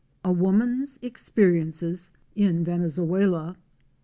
A WOMAN'S EXPERIENCES IN VENEZUELA.